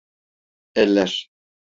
Eller!